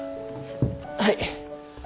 はい。